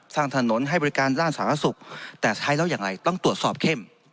สร้างถนนให้บริการด้านสาธารณสุขแต่ใช้แล้วอย่างไรต้องตรวจสอบเข้ม